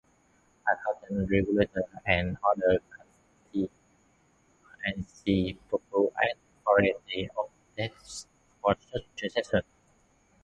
Accountants, regulators and other constituencies proposed a variety of tests for such transactions.